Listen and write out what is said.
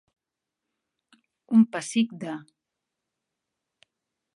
Un pessic de.